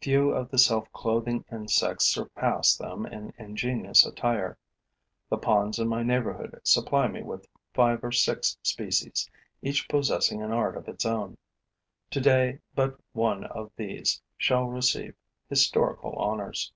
Few of the self clothing insects surpass them in ingenious attire. The ponds in my neighborhood supply me with five or six species, each possessing an art of its own. Today, but one of these shall receive historical honors.